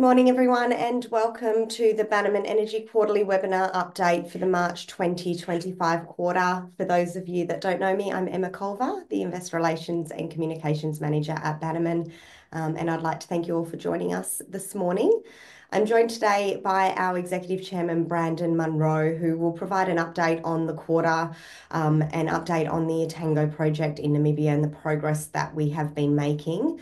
Good morning, everyone, and welcome to the Bannerman Energy Quarterly Webinar Update for the March 2025 quarter. For those of you that do not know me, I am Emma Culver, the Investor Relations and Communications Manager at Bannerman, and I would like to thank you all for joining us this morning. I am joined today by our Executive Chairman, Brandon Munro, who will provide an update on the quarter and update on the Etango Project in Namibia and the progress that we have been making.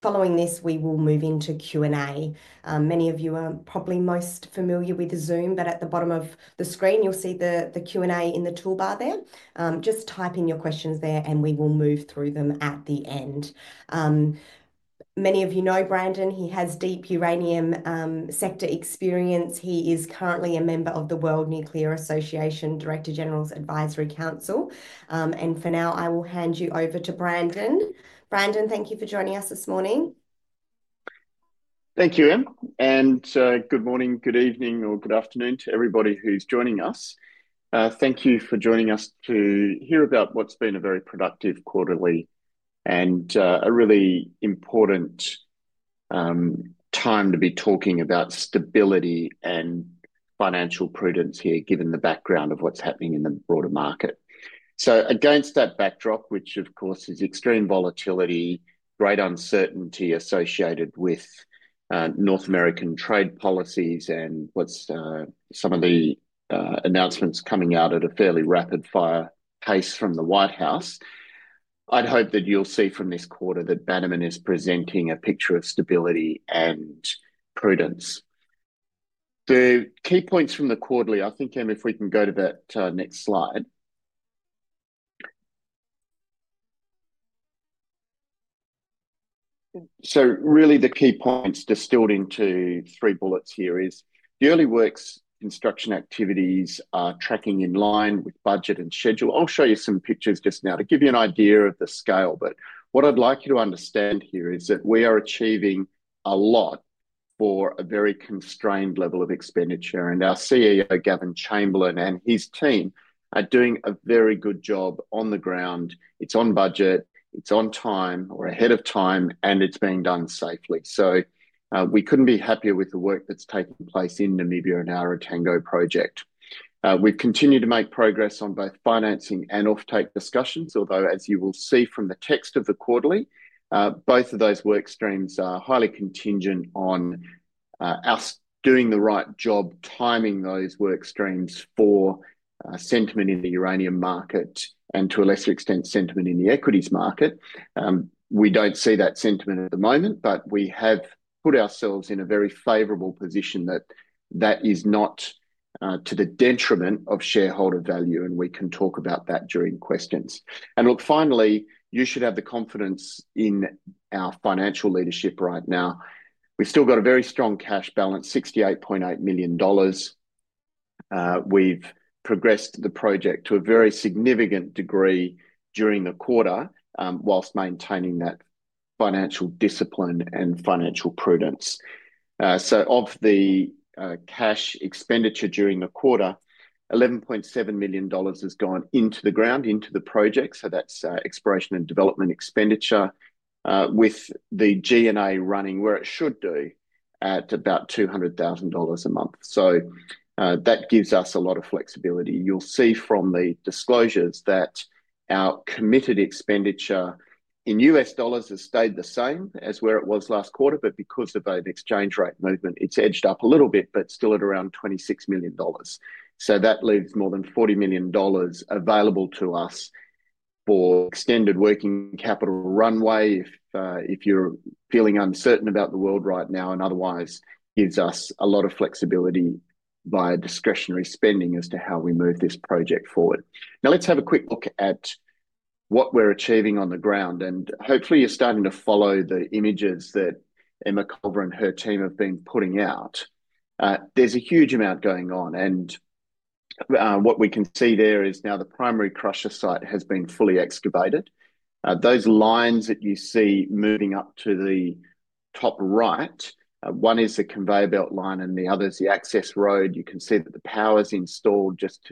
Following this, we will move into Q&A. Many of you are probably most familiar with Zoom, but at the bottom of the screen, you will see the Q&A in the toolbar there. Just type in your questions there, and we will move through them at the end. Many of you know Brandon. He has deep uranium sector experience. He is currently a member of the World Nuclear Association Director General's Advisory Council. For now, I will hand you over to Brandon. Brandon, thank you for joining us this morning. Thank you, Em. Good morning, good evening, or good afternoon to everybody who's joining us. Thank you for joining us to hear about what's been a very productive quarterly and a really important time to be talking about stability and financial prudence here, given the background of what's happening in the broader market. Against that backdrop, which of course is extreme volatility, great uncertainty associated with North American trade policies and what's some of the announcements coming out at a fairly rapid-fire pace from the White House, I'd hope that you'll see from this quarter that Bannerman is presenting a picture of stability and prudence. The key points from the quarterly, I think, Em, if we can go to that next slide. Really, the key points distilled into three bullets here is the early works, instruction activities, tracking in line with budget and schedule. I'll show you some pictures just now to give you an idea of the scale. What I'd like you to understand here is that we are achieving a lot for a very constrained level of expenditure. Our CEO, Gavin Chamberlain, and his team are doing a very good job on the ground. It's on budget, it's on time, or ahead of time, and it's being done safely. We couldn't be happier with the work that's taking place in Namibia and our Etango Project. We've continued to make progress on both financing and offtake discussions, although, as you will see from the text of the quarterly, both of those work streams are highly contingent on us doing the right job, timing those work streams for sentiment in the uranium market and, to a lesser extent, sentiment in the equities market. We do not see that sentiment at the moment, but we have put ourselves in a very favorable position that that is not to the detriment of shareholder value. We can talk about that during questions. Finally, you should have the confidence in our financial leadership right now. We have still got a very strong cash balance, $68.8 million. We have progressed the project to a very significant degree during the quarter whilst maintaining that financial discipline and financial prudence. Of the cash expenditure during the quarter, $11.7 million has gone into the ground, into the project. That is exploration and development expenditure with the G&A running where it should do at about $200,000 a month. That gives us a lot of flexibility. You'll see from the disclosures that our committed expenditure in US dollars has stayed the same as where it was last quarter, but because of an exchange rate movement, it's edged up a little bit, but still at around $26 million. That leaves more than $40 million available to us for extended working capital runway. If you're feeling uncertain about the world right now and otherwise, it gives us a lot of flexibility via discretionary spending as to how we move this project forward. Now, let's have a quick look at what we're achieving on the ground. Hopefully, you're starting to follow the images that Emma Culver and her team have been putting out. There's a huge amount going on. What we can see there is now the primary crusher site has been fully excavated. Those lines that you see moving up to the top right, one is the conveyor belt line and the other is the access road. You can see that the power is installed just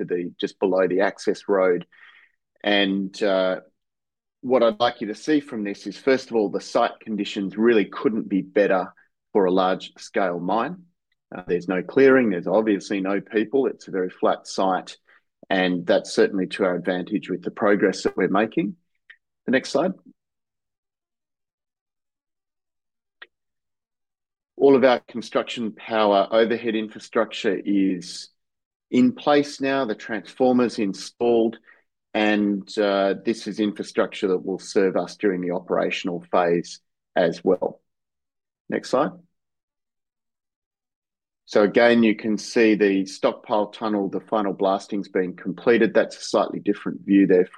below the access road. What I'd like you to see from this is, first of all, the site conditions really couldn't be better for a large-scale mine. There's no clearing. There's obviously no people. It's a very flat site. That's certainly to our advantage with the progress that we're making. The next slide. All of our construction power overhead infrastructure is in place now. The transformers installed. This is infrastructure that will serve us during the operational phase as well. Next slide. Again, you can see the stockpile tunnel, the final blasting's been completed. That's a slightly different view there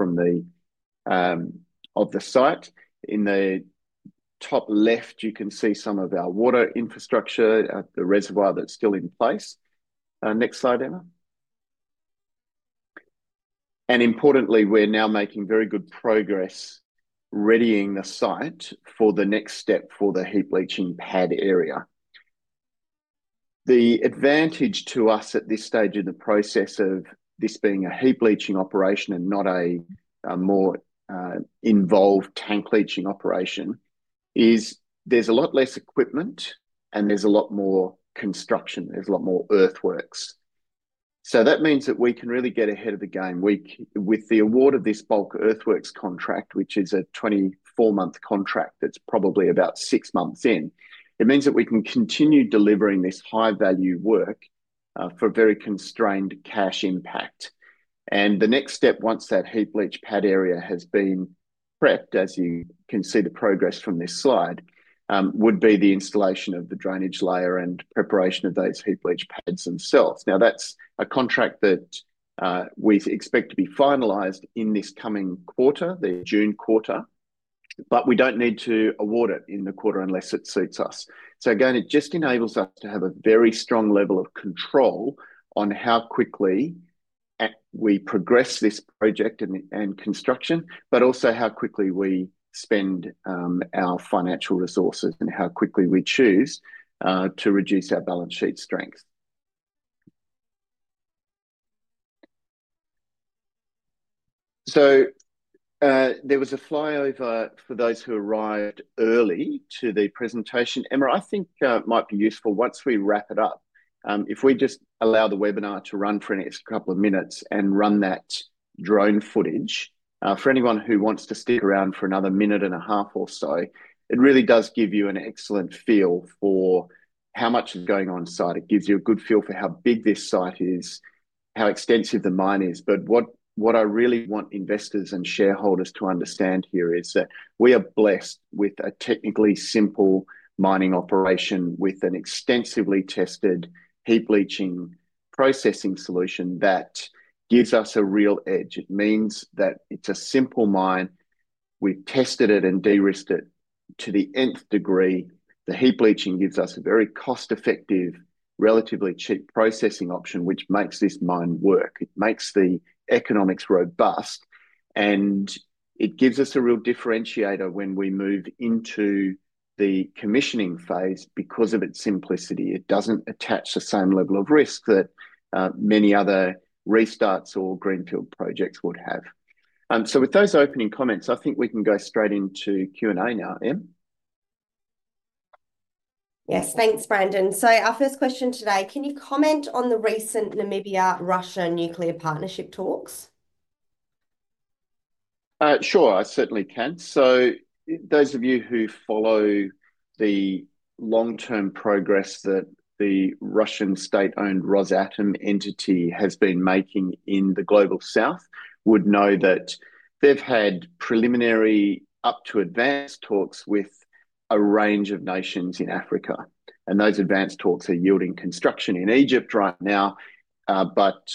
of the site. In the top left, you can see some of our water infrastructure at the reservoir that's still in place. Next slide, Emma. Importantly, we're now making very good progress readying the site for the next step for the heap leaching pad area. The advantage to us at this stage in the process of this being a heap leaching operation and not a more involved tank leaching operation is there's a lot less equipment and there's a lot more construction. There's a lot more earthworks. That means that we can really get ahead of the game. With the award of this bulk earthworks contract, which is a 24-month contract that's probably about six months in, it means that we can continue delivering this high-value work for very constrained cash impact. The next step, once that heap leach pad area has been prepped, as you can see the progress from this slide, would be the installation of the drainage layer and preparation of those heap leach pads themselves. Now, that's a contract that we expect to be finalized in this coming quarter, the June quarter, but we don't need to award it in the quarter unless it suits us. It just enables us to have a very strong level of control on how quickly we progress this project and construction, but also how quickly we spend our financial resources and how quickly we choose to reduce our balance sheet strength. There was a flyover for those who arrived early to the presentation. Emma, I think it might be useful once we wrap it up, if we just allow the webinar to run for the next couple of minutes and run that drone footage for anyone who wants to stick around for another minute and a half or so. It really does give you an excellent feel for how much is going on site. It gives you a good feel for how big this site is, how extensive the mine is. What I really want investors and shareholders to understand here is that we are blessed with a technically simple mining operation with an extensively tested heap leaching processing solution that gives us a real edge. It means that it's a simple mine. We've tested it and de-risked it to the nth degree. The heap leaching gives us a very cost-effective, relatively cheap processing option, which makes this mine work. It makes the economics robust, and it gives us a real differentiator when we move into the commissioning phase because of its simplicity. It does not attach the same level of risk that many other restarts or Greenfield projects would have. With those opening comments, I think we can go straight into Q&A now, Em. Yes, thanks, Brandon. Our first question today, can you comment on the recent Namibia-Russia nuclear partnership talks? Sure, I certainly can. Those of you who follow the long-term progress that the Russian state-owned Rosatom entity has been making in the Global South would know that they've had preliminary up-to-advance talks with a range of nations in Africa. Those advanced talks are yielding construction in Egypt right now, but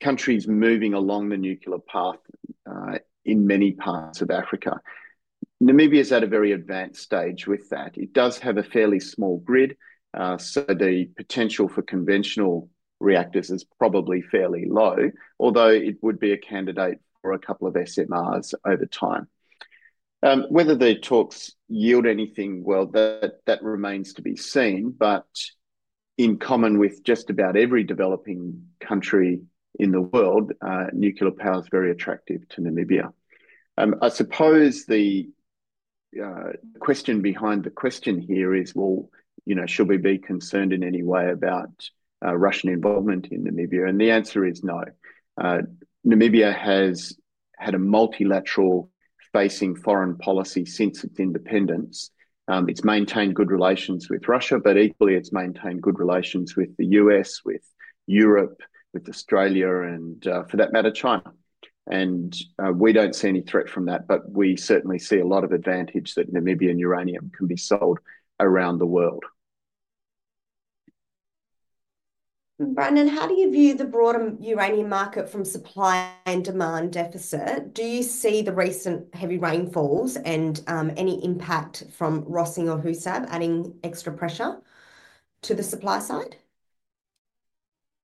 countries are moving along the nuclear path in many parts of Africa. Namibia is at a very advanced stage with that. It does have a fairly small grid, so the potential for conventional reactors is probably fairly low, although it would be a candidate for a couple of SMRs over time. Whether the talks yield anything, that remains to be seen. In common with just about every developing country in the world, nuclear power is very attractive to Namibia. I suppose the question behind the question here is, well, should we be concerned in any way about Russian involvement in Namibia? The answer is no. Namibia has had a multilateral-facing foreign policy since its independence. It's maintained good relations with Russia, but equally, it's maintained good relations with the U.S., with Europe, with Australia, and for that matter, China. We don't see any threat from that, but we certainly see a lot of advantage that Namibian uranium can be sold around the world. Brandon, how do you view the broader uranium market from supply and demand deficit? Do you see the recent heavy rainfalls and any impact from Rössing or Husab adding extra pressure to the supply side?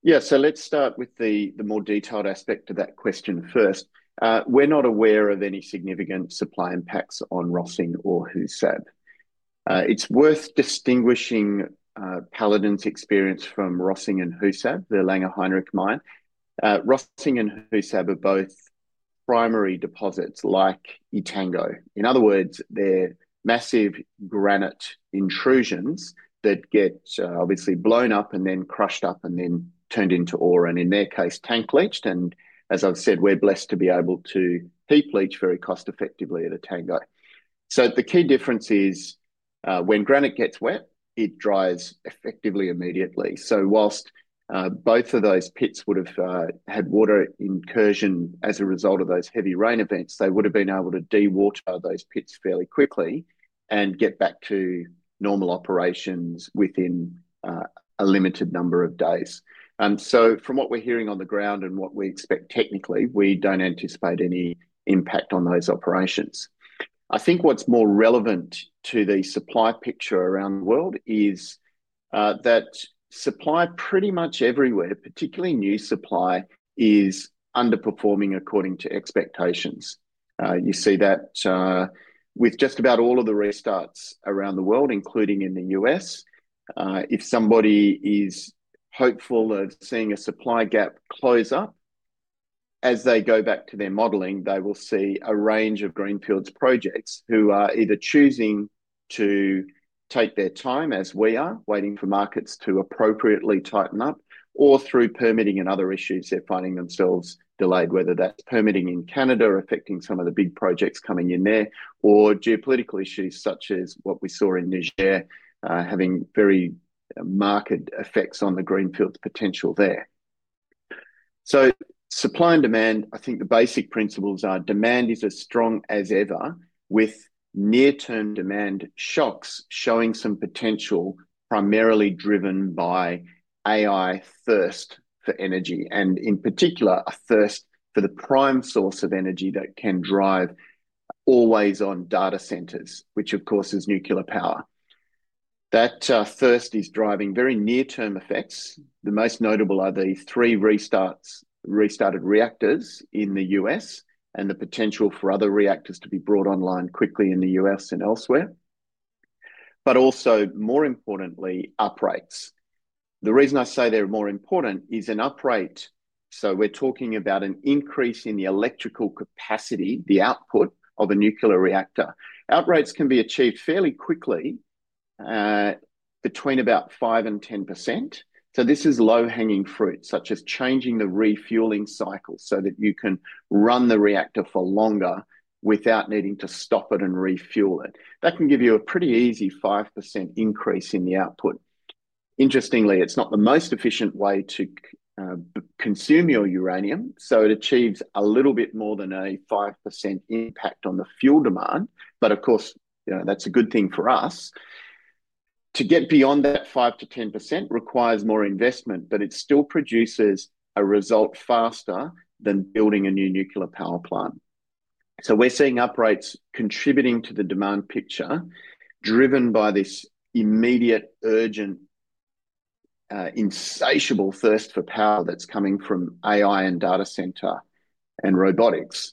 Yeah, so let's start with the more detailed aspect of that question first. We're not aware of any significant supply impacts on Rössing or Husab. It's worth distinguishing Paladin's experience from Rössing and Husab, the Langer Heinrich mine. Rössing and Husab are both primary deposits like Etango. In other words, they're massive granite intrusions that get obviously blown up and then crushed up and then turned into ore and, in their case, tank leached. As I've said, we're blessed to be able to heap leach very cost-effectively at Etango. The key difference is when granite gets wet, it dries effectively immediately. Whilst both of those pits would have had water incursion as a result of those heavy rain events, they would have been able to dewater those pits fairly quickly and get back to normal operations within a limited number of days. From what we're hearing on the ground and what we expect technically, we don't anticipate any impact on those operations. I think what's more relevant to the supply picture around the world is that supply pretty much everywhere, particularly new supply, is underperforming according to expectations. You see that with just about all of the restarts around the world, including in the U.S. If somebody is hopeful of seeing a supply gap close up, as they go back to their modeling, they will see a range of Greenfields projects who are either choosing to take their time, as we are, waiting for markets to appropriately tighten up, or through permitting and other issues, they're finding themselves delayed, whether that's permitting in Canada affecting some of the big projects coming in there, or geopolitical issues such as what we saw in Niger having very marked effects on the greenfields potential there. Supply and demand, I think the basic principles are demand is as strong as ever, with near-term demand shocks showing some potential primarily driven by AI thirst for energy, and in particular, a thirst for the prime source of energy that can drive always-on data centers, which, of course, is nuclear power. That thirst is driving very near-term effects. The most notable are the three restarted reactors in the U.S. and the potential for other reactors to be brought online quickly in the U.S. and elsewhere, but also, more importantly, uprates. The reason I say they're more important is an uprate. So we're talking about an increase in the electrical capacity, the output of a nuclear reactor. Uprates can be achieved fairly quickly between about 5% and 10%. This is low-hanging fruit, such as changing the refueling cycle so that you can run the reactor for longer without needing to stop it and refuel it. That can give you a pretty easy 5% increase in the output. Interestingly, it's not the most efficient way to consume your uranium, so it achieves a little bit more than a 5% impact on the fuel demand. Of course, that's a good thing for us. To get beyond that 5%-10% requires more investment, but it still produces a result faster than building a new nuclear power plant. We're seeing uprates contributing to the demand picture driven by this immediate, urgent, insatiable thirst for power that's coming from AI and data center and robotics.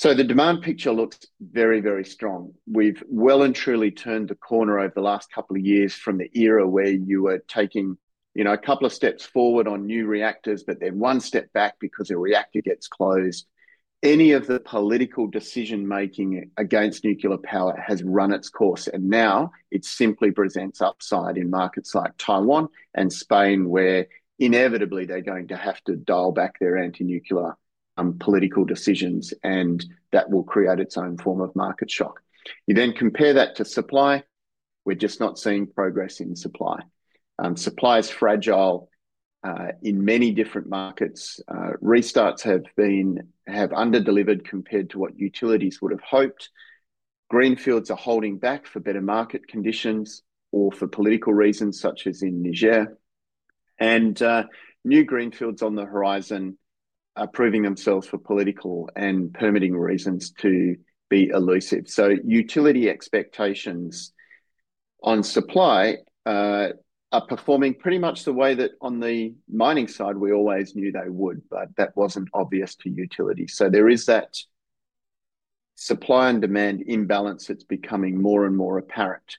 The demand picture looks very, very strong. We've well and truly turned the corner over the last couple of years from the era where you were taking a couple of steps forward on new reactors, but then one step back because a reactor gets closed. Any of the political decision-making against nuclear power has run its course. It simply presents upside in markets like Taiwan and Spain, where inevitably they're going to have to dial back their anti-nuclear political decisions, and that will create its own form of market shock. You then compare that to supply. We're just not seeing progress in supply. Supply is fragile in many different markets. Restarts have underdelivered compared to what utilities would have hoped. Greenfields are holding back for better market conditions or for political reasons, such as in Niger. New greenfields on the horizon are proving themselves for political and permitting reasons to be elusive. Utility expectations on supply are performing pretty much the way that on the mining side we always knew they would, but that was not obvious to utility. There is that supply and demand imbalance that is becoming more and more apparent.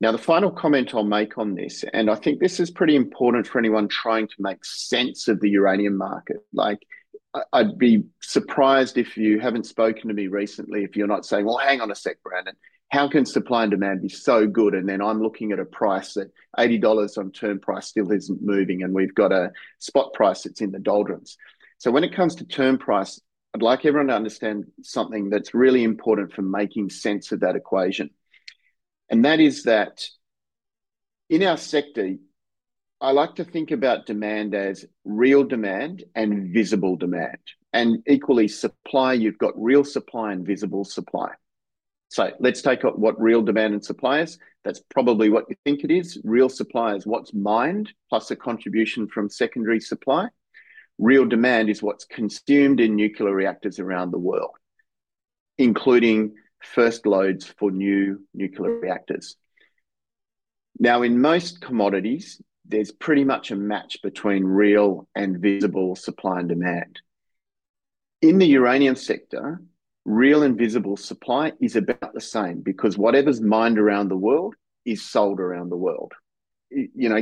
Now, the final comment I'll make on this, and I think this is pretty important for anyone trying to make sense of the uranium market. I'd be surprised if you have not spoken to me recently if you're not saying, "Well, hang on a sec, Brandon. How can supply and demand be so good? I'm looking at a price that $80 on term price still isn't moving, and we've got a spot price that's in the doldrums. When it comes to term price, I'd like everyone to understand something that's really important for making sense of that equation. That is that in our sector, I like to think about demand as real demand and visible demand. Equally, supply, you've got real supply and visible supply. Let's take what real demand and supply is. That's probably what you think it is. Real supply is what's mined plus a contribution from secondary supply. Real demand is what's consumed in nuclear reactors around the world, including first loads for new nuclear reactors. In most commodities, there's pretty much a match between real and visible supply and demand. In the uranium sector, real and visible supply is about the same because whatever's mined around the world is sold around the world,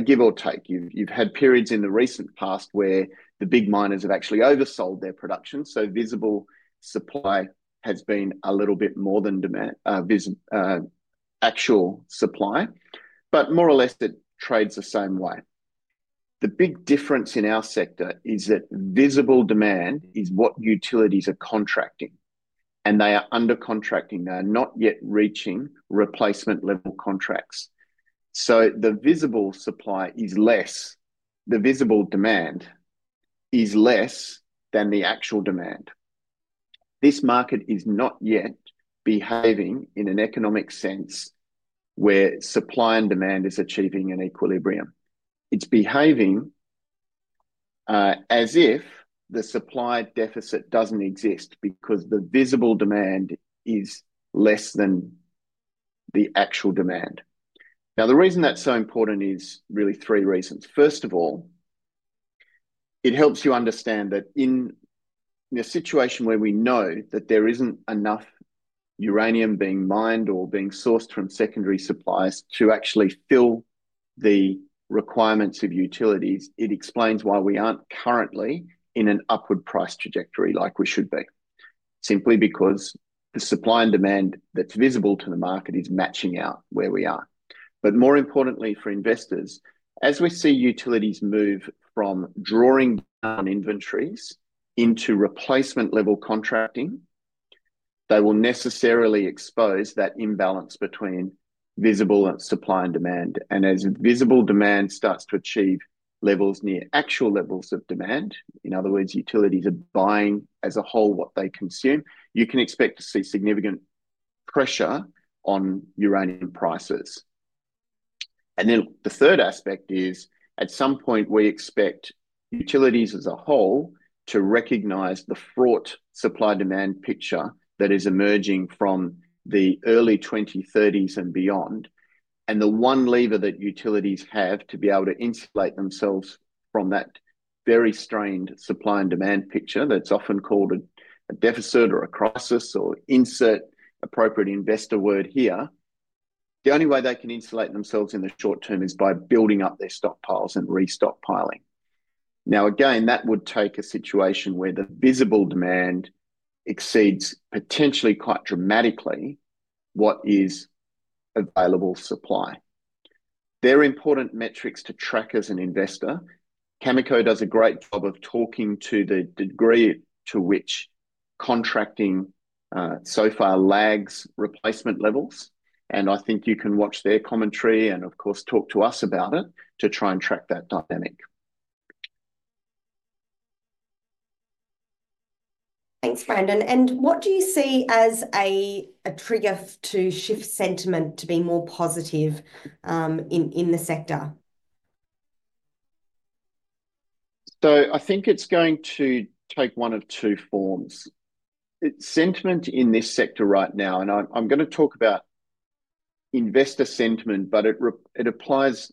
give or take. You've had periods in the recent past where the big miners have actually oversold their production. So visible supply has been a little bit more than actual supply, but more or less, it trades the same way. The big difference in our sector is that visible demand is what utilities are contracting, and they are under-contracting. They are not yet reaching replacement-level contracts. The visible supply is less. The visible demand is less than the actual demand. This market is not yet behaving in an economic sense where supply and demand is achieving an equilibrium. It's behaving as if the supply deficit doesn't exist because the visible demand is less than the actual demand. Now, the reason that's so important is really three reasons. First of all, it helps you understand that in a situation where we know that there isn't enough uranium being mined or being sourced from secondary supplies to actually fill the requirements of utilities, it explains why we aren't currently in an upward price trajectory like we should be, simply because the supply and demand that's visible to the market is matching out where we are. More importantly for investors, as we see utilities move from drawing down inventories into replacement-level contracting, they will necessarily expose that imbalance between visible supply and demand. As visible demand starts to achieve levels near actual levels of demand, in other words, utilities are buying as a whole what they consume, you can expect to see significant pressure on uranium prices. The third aspect is, at some point, we expect utilities as a whole to recognize the fraught supply-demand picture that is emerging from the early 2030s and beyond, and the one lever that utilities have to be able to insulate themselves from that very strained supply and demand picture that's often called a deficit or a crisis or insert appropriate investor word here. The only way they can insulate themselves in the short term is by building up their stockpiles and re-stockpiling. Now, again, that would take a situation where the visible demand exceeds potentially quite dramatically what is available supply. They're important metrics to track as an investor. Cameco does a great job of talking to the degree to which contracting so far lags replacement levels. I think you can watch their commentary and, of course, talk to us about it to try and track that dynamic. Thanks, Brandon. What do you see as a trigger to shift sentiment to be more positive in the sector? I think it's going to take one of two forms. It's sentiment in this sector right now, and I'm going to talk about investor sentiment, but it applies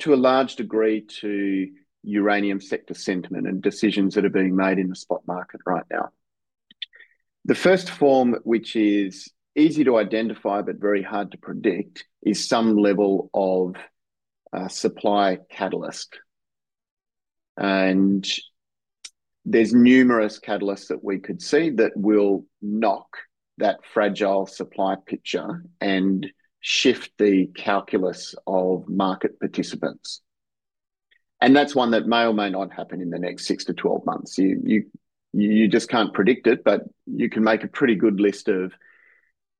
to a large degree to uranium sector sentiment and decisions that are being made in the spot market right now. The first form, which is easy to identify but very hard to predict, is some level of supply catalyst. There are numerous catalysts that we could see that will knock that fragile supply picture and shift the calculus of market participants. That is one that may or may not happen in the next 6-12 months. You just can't predict it, but you can make a pretty good list of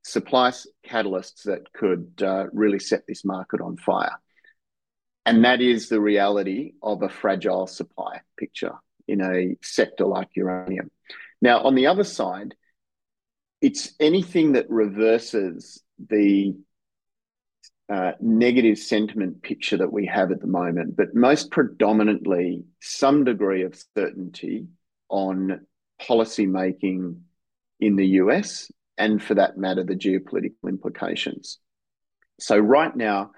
supply catalysts that could really set this market on fire. That is the reality of a fragile supply picture in a sector like uranium. Now, on the other side, it's anything that reverses the negative sentiment picture that we have at the moment, but most predominantly some degree of certainty on policymaking in the U.S. and, for that matter, the geopolitical implications. Right now,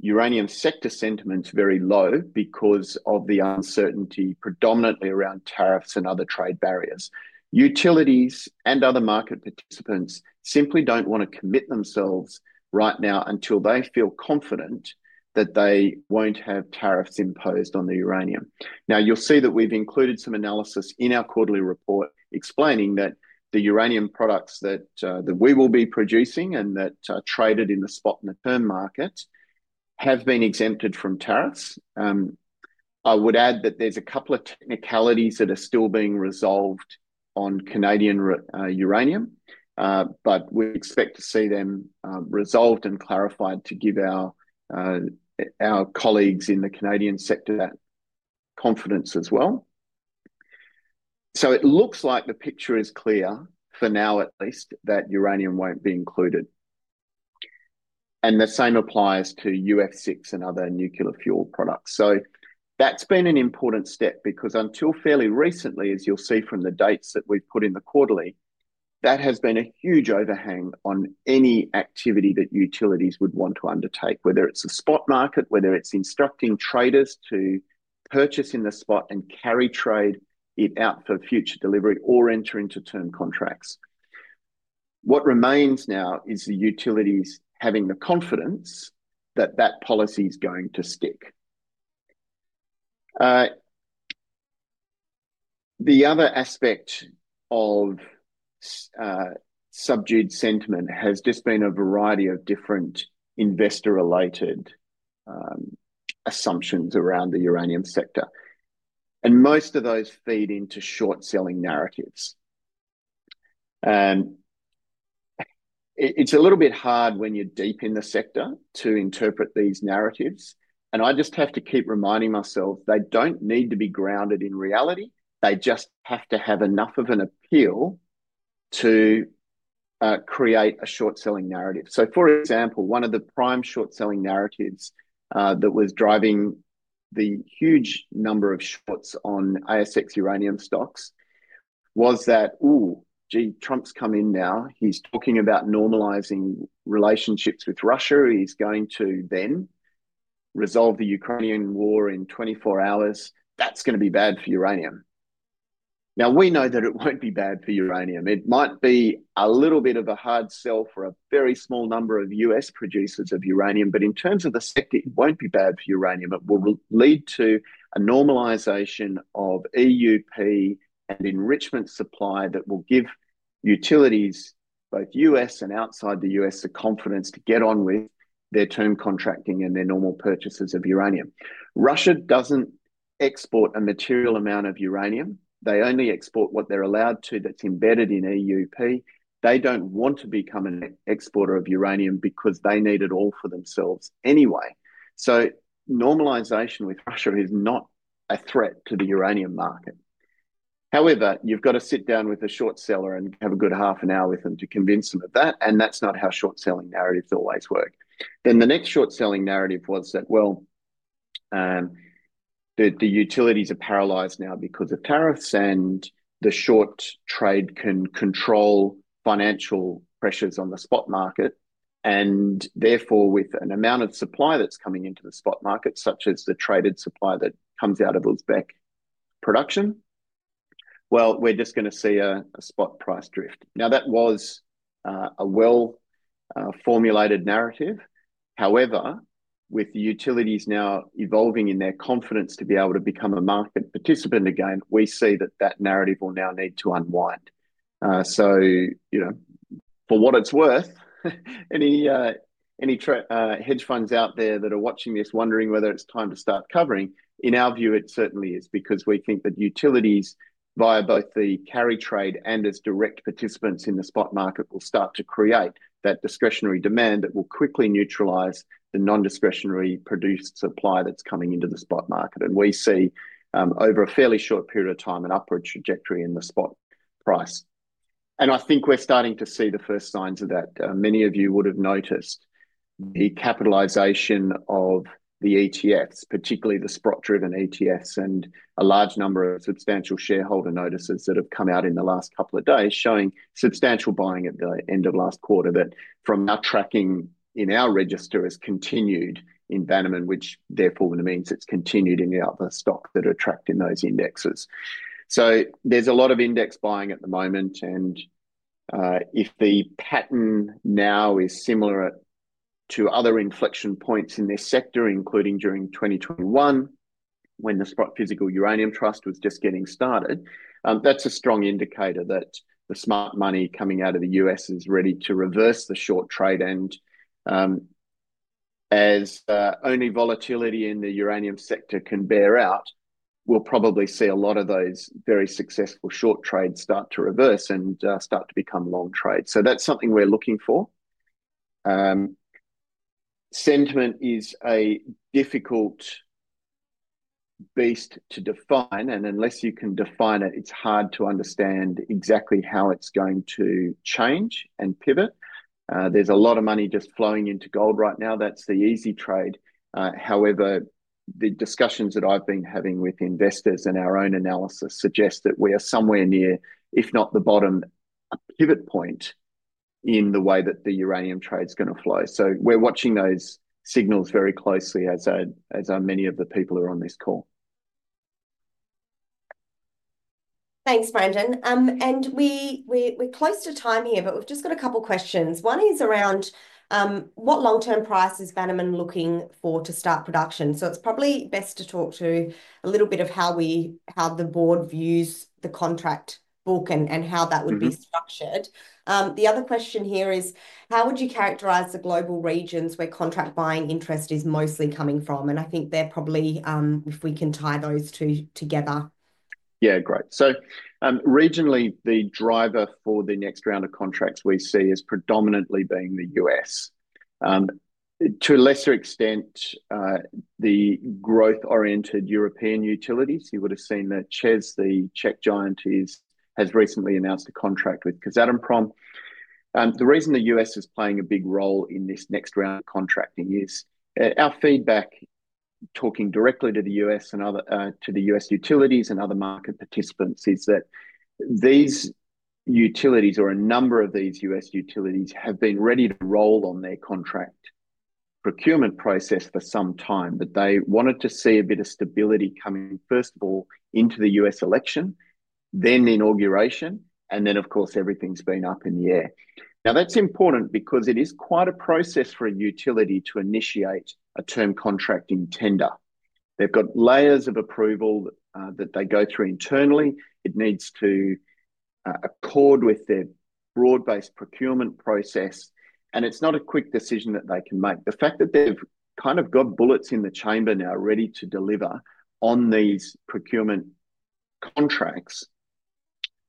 uranium sector sentiment's very low because of the uncertainty predominantly around tariffs and other trade barriers. Utilities and other market participants simply don't want to commit themselves right now until they feel confident that they won't have tariffs imposed on the uranium. You'll see that we've included some analysis in our quarterly report explaining that the uranium products that we will be producing and that are traded in the spot and the firm market have been exempted from tariffs. I would add that there's a couple of technicalities that are still being resolved on Canadian uranium, but we expect to see them resolved and clarified to give our colleagues in the Canadian sector that confidence as well. It looks like the picture is clear, for now at least, that uranium won't be included. The same applies to UF6 and other nuclear fuel products. That's been an important step because until fairly recently, as you'll see from the dates that we've put in the quarterly, that has been a huge overhang on any activity that utilities would want to undertake, whether it's a spot market, whether it's instructing traders to purchase in the spot and carry trade it out for future delivery or enter into term contracts. What remains now is the utilities having the confidence that that policy is going to stick. The other aspect of subdued sentiment has just been a variety of different investor-related assumptions around the uranium sector. Most of those feed into short-selling narratives. It's a little bit hard when you're deep in the sector to interpret these narratives. I just have to keep reminding myself they don't need to be grounded in reality. They just have to have enough of an appeal to create a short-selling narrative. For example, one of the prime short-selling narratives that was driving the huge number of shorts on ASX uranium stocks was that, "Ooh, gee, Trump's come in now. He's talking about normalizing relationships with Russia. He's going to then resolve the Ukrainian war in 24 hours. That's going to be bad for uranium." Now, we know that it won't be bad for uranium. It might be a little bit of a hard sell for a very small number of U.S. producers of uranium. In terms of the sector, it won't be bad for uranium. It will lead to a normalization of EUP and enrichment supply that will give utilities, both U.S. and outside the U.S., the confidence to get on with their term contracting and their normal purchases of uranium. Russia doesn't export a material amount of uranium. They only export what they're allowed to that's embedded in EUP. They don't want to become an exporter of uranium because they need it all for themselves anyway. Normalization with Russia is not a threat to the uranium market. However, you've got to sit down with a short seller and have a good half an hour with them to convince them of that. That's not how short-selling narratives always work. The next short-selling narrative was that, "Well, the utilities are paralyzed now because of tariffs, and the short trade can control financial pressures on the spot market. Therefore, with an amount of supply that's coming into the spot market, such as the traded supply that comes out of Uzbek production, we're just going to see a spot price drift." That was a well-formulated narrative. However, with the utilities now evolving in their confidence to be able to become a market participant again, we see that that narrative will now need to unwind. For what it's worth, any hedge funds out there that are watching this wondering whether it's time to start covering, in our view, it certainly is because we think that utilities, via both the carry trade and as direct participants in the spot market, will start to create that discretionary demand that will quickly neutralize the non-discretionary produced supply that's coming into the spot market. We see, over a fairly short period of time, an upward trajectory in the spot price. I think we're starting to see the first signs of that. Many of you would have noticed the capitalization of the ETFs, particularly the spot-driven ETFs, and a large number of substantial shareholder notices that have come out in the last couple of days showing substantial buying at the end of last quarter that, from our tracking in our register, has continued in Bannerman, which therefore means it's continued in the other stocks that are tracked in those indexes. There is a lot of index buying at the moment. If the pattern now is similar to other inflection points in this sector, including during 2021 when the Sprott Physical Uranium Trust was just getting started, that's a strong indicator that the smart money coming out of the U.S. is ready to reverse the short trade. As only volatility in the uranium sector can bear out, we'll probably see a lot of those very successful short trades start to reverse and start to become long trade. That is something we're looking for. Sentiment is a difficult beast to define. Unless you can define it, it's hard to understand exactly how it's going to change and pivot. There's a lot of money just flowing into gold right now. That's the easy trade. However, the discussions that I've been having with investors and our own analysis suggest that we are somewhere near, if not the bottom, a pivot point in the way that the uranium trade's going to flow. We're watching those signals very closely, as are many of the people who are on this call. Thanks, Brandon. We're close to time here, but we've just got a couple of questions. One is around what long-term price is Bannerman looking for to start production? It's probably best to talk a little bit of how the board views the contract book and how that would be structured. The other question here is, how would you characterize the global regions where contract buying interest is mostly coming from? I think they're probably if we can tie those two together. Yeah, great. Regionally, the driver for the next round of contracts we see is predominantly being the U.S. To a lesser extent, the growth-oriented European utilities. You would have seen that ČEZ, the Czech giant, has recently announced a contract with Kazatomprom. The reason the U.S. is playing a big role in this next round of contracting is our feedback talking directly to the U.S. and to the U.S. utilities and other market participants is that these utilities, or a number of these U.S. utilities, have been ready to roll on their contract procurement process for some time, but they wanted to see a bit of stability coming, first of all, into the U.S. election, then the inauguration, and then, of course, everything's been up in the air. Now, that's important because it is quite a process for a utility to initiate a term contracting tender. They've got layers of approval that they go through internally. It needs to accord with their broad-based procurement process. It's not a quick decision that they can make. The fact that they've kind of got bullets in the chamber now ready to deliver on these procurement contracts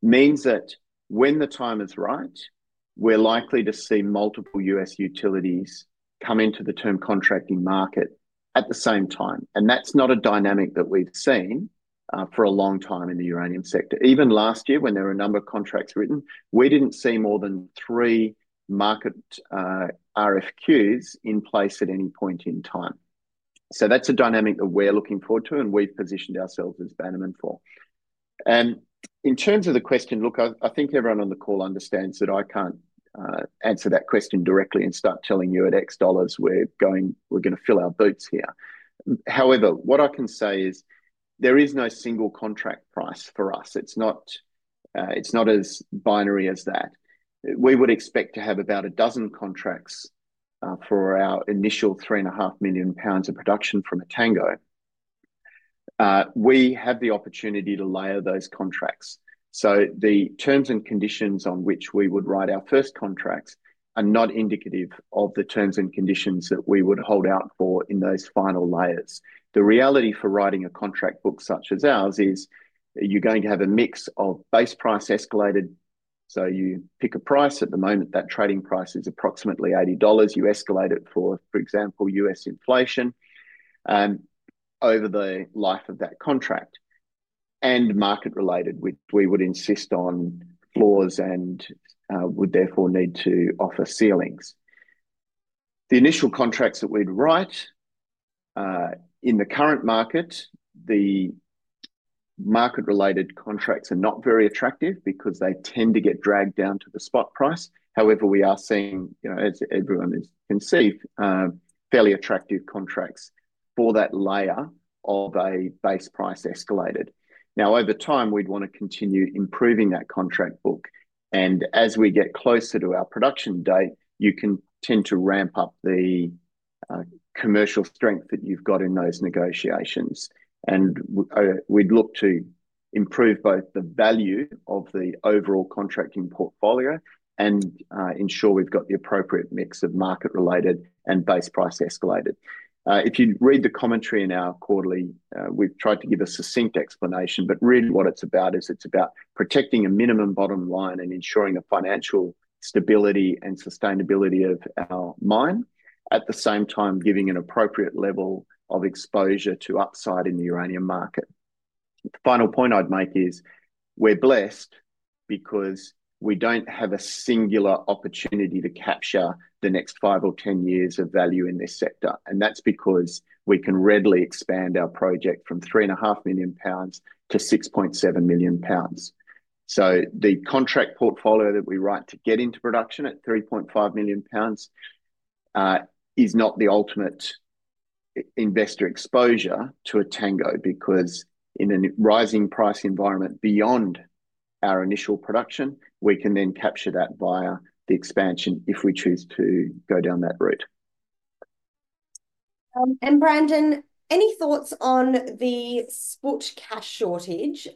means that when the time is right, we're likely to see multiple U.S. utilities come into the term contracting market at the same time. That's not a dynamic that we've seen for a long time in the uranium sector. Even last year, when there were a number of contracts written, we didn't see more than three market RFQs in place at any point in time. That's a dynamic that we're looking forward to, and we've positioned ourselves as Bannerman for. In terms of the question, look, I think everyone on the call understands that I can't answer that question directly and start telling you at X dollars we're going to fill our boots here. However, what I can say is there is no single contract price for us. It's not as binary as that. We would expect to have about a dozen contracts for our initial 3.5 million pounds of production from Etango. We have the opportunity to layer those contracts. The terms and conditions on which we would write our first contracts are not indicative of the terms and conditions that we would hold out for in those final layers. The reality for writing a contract book such as ours is you're going to have a mix of base price escalated. You pick a price. At the moment, that trading price is approximately $80. You escalate it for, for example, U.S. inflation over the life of that contract and market-related, which we would insist on floors and would therefore need to offer ceilings. The initial contracts that we'd write in the current market, the market-related contracts are not very attractive because they tend to get dragged down to the spot price. However, we are seeing, as everyone can see, fairly attractive contracts for that layer of a base price escalated. Now, over time, we'd want to continue improving that contract book. As we get closer to our production date, you can tend to ramp up the commercial strength that you've got in those negotiations. We'd look to improve both the value of the overall contracting portfolio and ensure we've got the appropriate mix of market-related and base price escalated. If you read the commentary in our quarterly, we've tried to give a succinct explanation. What it's about is it's about protecting a minimum bottom line and ensuring a financial stability and sustainability of our mine, at the same time giving an appropriate level of exposure to upside in the uranium market. The final point I'd make is we're blessed because we don't have a singular opportunity to capture the next five or ten years of value in this sector. That's because we can readily expand our project from 3.5 million pounds to 6.7 million pounds. The contract portfolio that we write to get into production at 3.5 million pounds is not the ultimate investor exposure to Etango because in a rising price environment beyond our initial production, we can then capture that via the expansion if we choose to go down that route. Brandon, any thoughts on the spot cash shortage?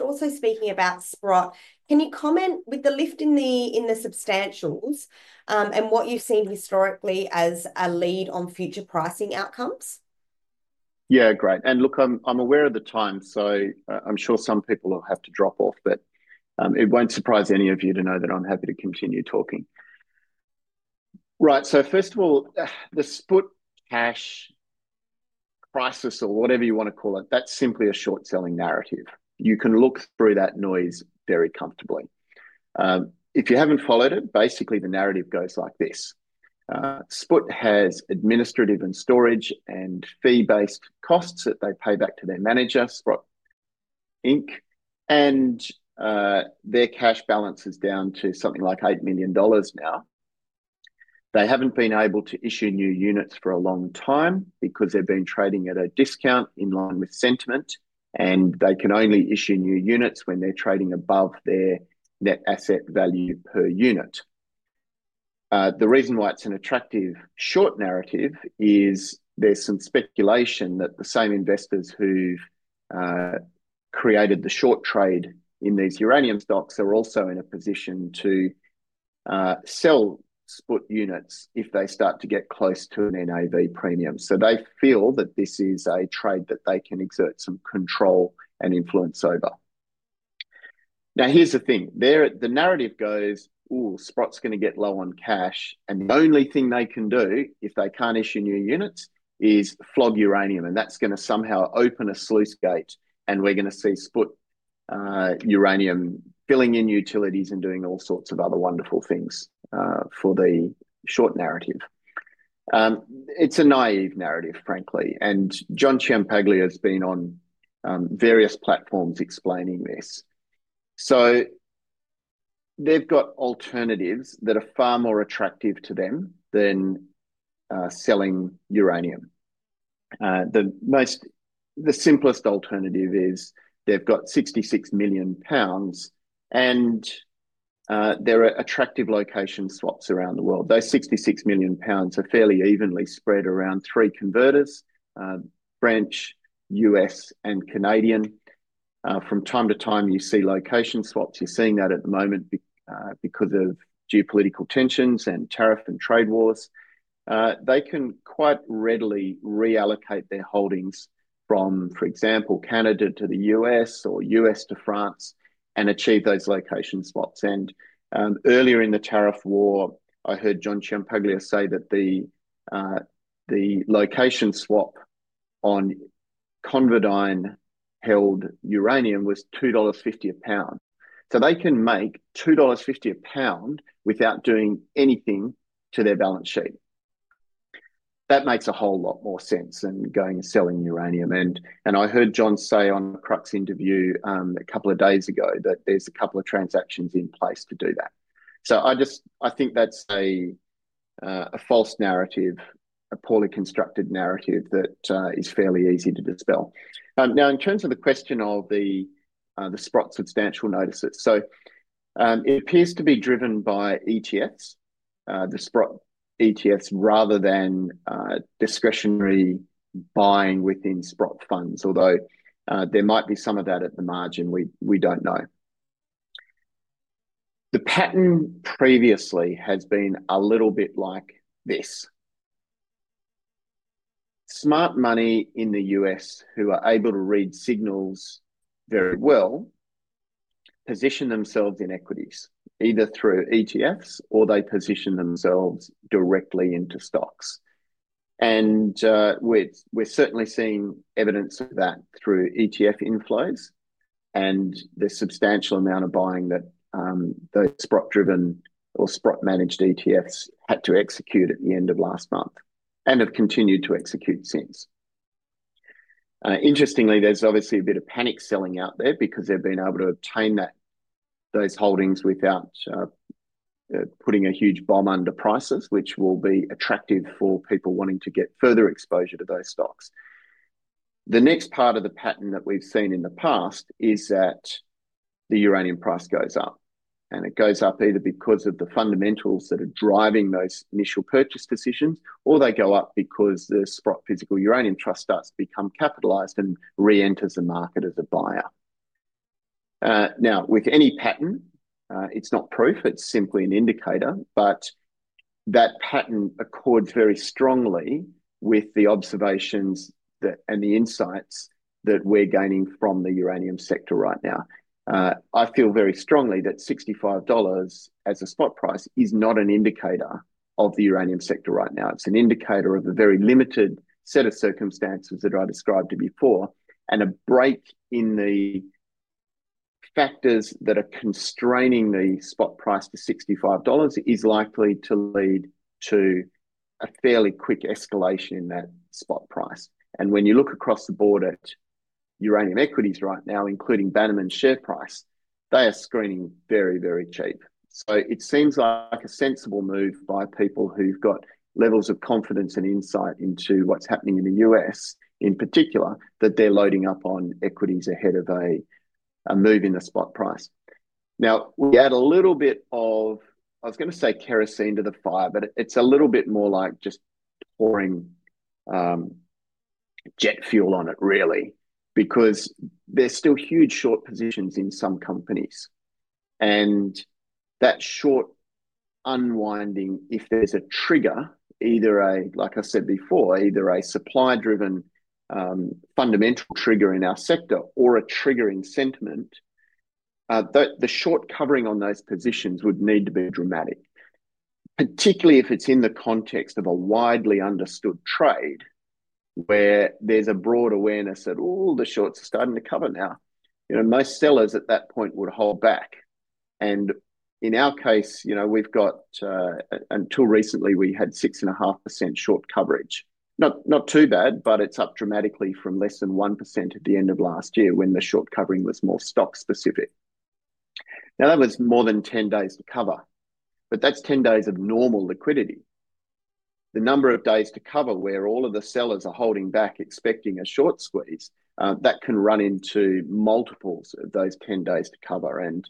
Also, speaking about spot, can you comment with the lift in the substantials and what you have seen historically as a lead on future pricing outcomes? Yeah, great. Look, I'm aware of the time, so I'm sure some people will have to drop off, but it won't surprise any of you to know that I'm happy to continue talking. Right. First of all, the spot cash crisis, or whatever you want to call it, that's simply a short-selling narrative. You can look through that noise very comfortably. If you haven't followed it, basically, the narrative goes like this. SPUT has administrative and storage and fee-based costs that they pay back to their manager, Sprott Inc. Their cash balance is down to something like $8 million now. They haven't been able to issue new units for a long time because they've been trading at a discount in line with sentiment, and they can only issue new units when they're trading above their net asset value per unit. The reason why it's an attractive short narrative is there's some speculation that the same investors who've created the short trade in these uranium stocks are also in a position to sell spot units if they start to get close to an NAV premium. They feel that this is a trade that they can exert some control and influence over. Now, here's the thing. The narrative goes, "Ooh, Sprott's going to get low on cash, and the only thing they can do if they can't issue new units is flog uranium." That's going to somehow open a sluice gate, and we're going to see spot uranium filling in utilities and doing all sorts of other wonderful things for the short narrative. It's a naive narrative, frankly. John Ciampaglia has been on various platforms explaining this. They've got alternatives that are far more attractive to them than selling uranium. The simplest alternative is they've got 66 million pounds, and there are attractive location swaps around the world. Those 66 million pounds are fairly evenly spread around three converters: French, U.S., and Canadian. From time to time, you see location swaps. You're seeing that at the moment because of geopolitical tensions and tariff and trade wars. They can quite readily reallocate their holdings from, for example, Canada to the U.S. or U.S. to France and achieve those location swaps. Earlier in the tariff war, I heard John Ciampaglia say that the location swap on ConverDyn held uranium was $2.50 a pound. They can make $2.50 a pound without doing anything to their balance sheet. That makes a whole lot more sense than going and selling uranium. I heard John say on a Crux interview a couple of days ago that there's a couple of transactions in place to do that. I think that's a false narrative, a poorly constructed narrative that is fairly easy to dispel. Now, in terms of the question of the Sprott substantial notices, it appears to be driven by ETFs, the Sprott ETFs, rather than discretionary buying within Sprott funds, although there might be some of that at the margin. We don't know. The pattern previously has been a little bit like this. Smart money in the U.S. who are able to read signals very well position themselves in equities, either through ETFs or they position themselves directly into stocks. We're certainly seeing evidence of that through ETF inflows and the substantial amount of buying that those Sprott-driven or Sprott-managed ETFs had to execute at the end of last month and have continued to execute since. Interestingly, there's obviously a bit of panic selling out there because they've been able to obtain those holdings without putting a huge bomb under prices, which will be attractive for people wanting to get further exposure to those stocks. The next part of the pattern that we've seen in the past is that the uranium price goes up. It goes up either because of the fundamentals that are driving those initial purchase decisions, or they go up because the Sprott physical uranium trust starts to become capitalized and re-enters the market as a buyer. Now, with any pattern, it's not proof. It's simply an indicator. That pattern accords very strongly with the observations and the insights that we're gaining from the uranium sector right now. I feel very strongly that $65 as a spot price is not an indicator of the uranium sector right now. It is an indicator of a very limited set of circumstances that I described before. A break in the factors that are constraining the spot price to $65 is likely to lead to a fairly quick escalation in that spot price. When you look across the board at uranium equities right now, including Bannerman's share price, they are screening very, very cheap. It seems like a sensible move by people who've got levels of confidence and insight into what's happening in the U.S. in particular that they're loading up on equities ahead of a move in the spot price. Now, we add a little bit of, I was going to say kerosene to the fire, but it's a little bit more like just pouring jet fuel on it, really, because there's still huge short positions in some companies. That short unwinding, if there's a trigger, either, like I said before, either a supply-driven fundamental trigger in our sector or a trigger in sentiment, the short covering on those positions would need to be dramatic, particularly if it's in the context of a widely understood trade where there's a broad awareness that, "Ooh, the shorts are starting to cover now." Most sellers at that point would hold back. In our case, we've got, until recently, we had 6.5% short coverage. Not too bad, but it's up dramatically from less than 1% at the end of last year when the short covering was more stock-specific. Now, that was more than 10 days to cover, but that's 10 days of normal liquidity. The number of days to cover where all of the sellers are holding back, expecting a short squeeze, that can run into multiples of those 10 days to cover and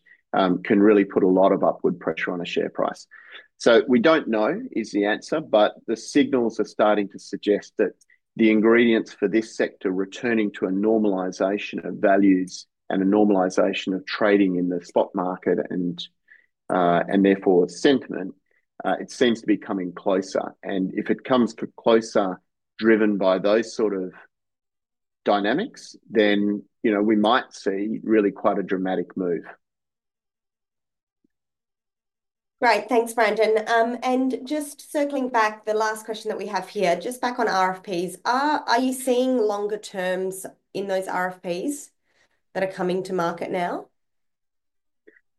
can really put a lot of upward pressure on a share price. We don't know is the answer, but the signals are starting to suggest that the ingredients for this sector returning to a normalization of values and a normalization of trading in the spot market and therefore sentiment, it seems to be coming closer. If it comes closer driven by those sort of dynamics, then we might see really quite a dramatic move. Right. Thanks, Brandon. Just circling back, the last question that we have here, just back on RFPs, are you seeing longer terms in those RFPs that are coming to market now?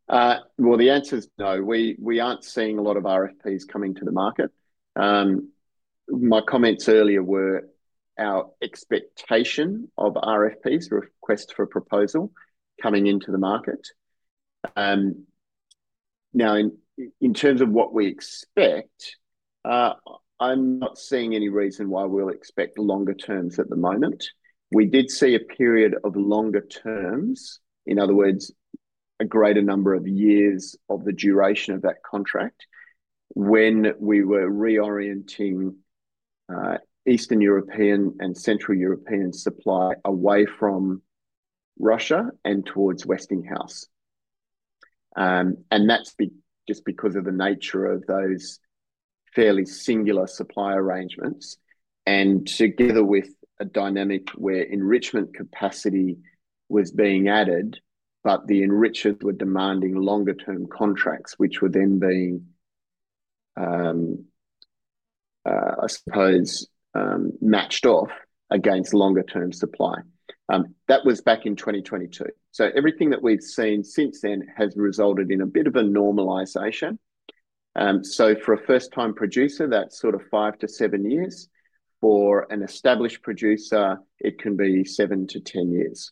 The answer is no. We aren't seeing a lot of RFPs coming to the market. My comments earlier were our expectation of RFPs, request for proposal coming into the market. Now, in terms of what we expect, I'm not seeing any reason why we'll expect longer terms at the moment. We did see a period of longer terms, in other words, a greater number of years of the duration of that contract when we were reorienting Eastern European and Central European supply away from Russia and towards Westinghouse. That is just because of the nature of those fairly singular supply arrangements. Together with a dynamic where enrichment capacity was being added, but the enrichers were demanding longer-term contracts, which were then being, I suppose, matched off against longer-term supply. That was back in 2022. Everything that we've seen since then has resulted in a bit of a normalization. For a first-time producer, that's sort of five to seven years. For an established producer, it can be seven to ten years.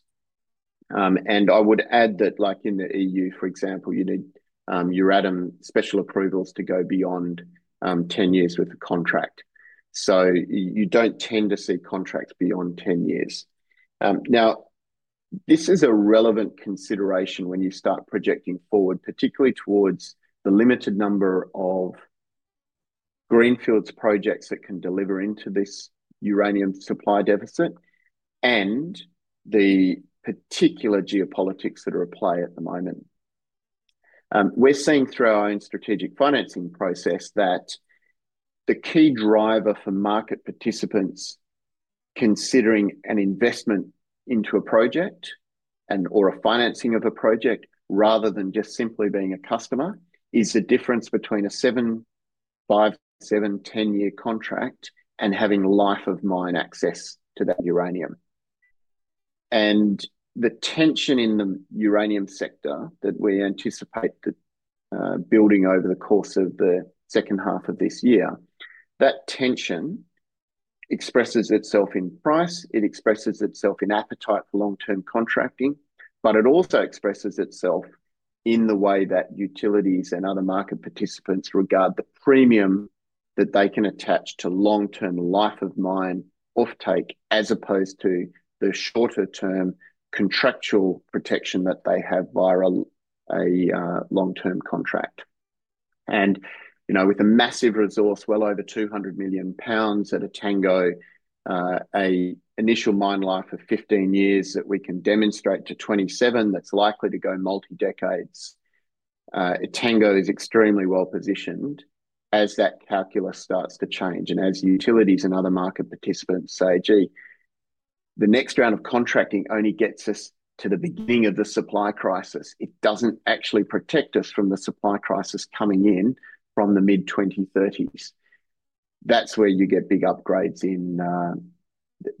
I would add that, like in the EU, for example, you need uranium special approvals to go beyond ten years with the contract. You don't tend to see contracts beyond ten years. This is a relevant consideration when you start projecting forward, particularly towards the limited number of Greenfields projects that can deliver into this uranium supply deficit and the particular geopolitics that are at play at the moment. We're seeing through our own strategic financing process that the key driver for market participants considering an investment into a project and/or a financing of a project rather than just simply being a customer is the difference between a seven, five, seven, ten-year contract and having life-of-mine access to that uranium. The tension in the uranium sector that we anticipate building over the course of the second half of this year, that tension expresses itself in price. It expresses itself in appetite for long-term contracting, but it also expresses itself in the way that utilities and other market participants regard the premium that they can attach to long-term life-of-mine offtake as opposed to the shorter-term contractual protection that they have via a long-term contract. With a massive resource, well over 200 million pounds at Etango, an initial mine life of 15 years that we can demonstrate to 27 that is likely to go multi-decades, Etango is extremely well positioned as that calculus starts to change. As utilities and other market participants say, "Gee, the next round of contracting only gets us to the beginning of the supply crisis. It does not actually protect us from the supply crisis coming in from the mid-2030s." That is where you get big upgrades in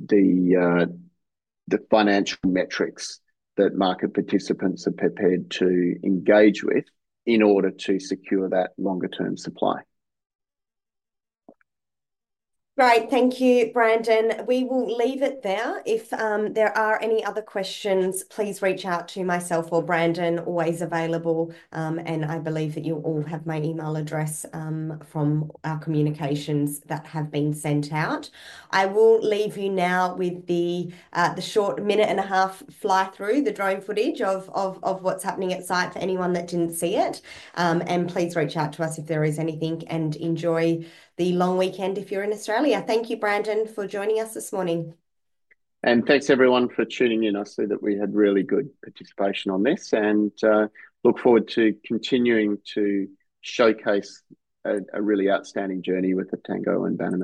the financial metrics that market participants are prepared to engage with in order to secure that longer-term supply. Right. Thank you, Brandon. We will leave it there. If there are any other questions, please reach out to myself or Brandon. Always available. I believe that you all have my email address from our communications that have been sent out. I will leave you now with the short minute-and-a-half fly-through, the drone footage of what's happening at site for anyone that didn't see it. Please reach out to us if there is anything and enjoy the long weekend if you're in Australia. Thank you, Brandon, for joining us this morning. Thanks, everyone, for tuning in. I see that we had really good participation on this and look forward to continuing to showcase a really outstanding journey with Etango and Bannerman.